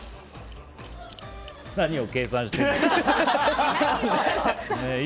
何を計算してるんですか？